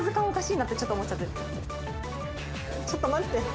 おかしいなってちょっと思っちゃって。